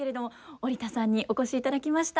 織田さんにお越しいただきました。